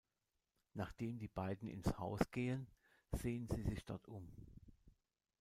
Nachdem die beiden ins Haus gehen, sehen sie sich dort um.